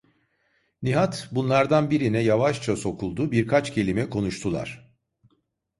Nihat bunlardan birine yavaşça sokuldu, birkaç kelime konuştular.